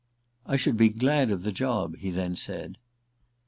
"I should be glad of the job," he then said.